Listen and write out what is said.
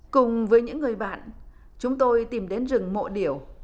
cùng với những người bạn chúng tôi tìm đến rừng mộ điểu